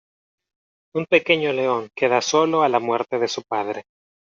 un pequeño león queda solo a la muerte de su padre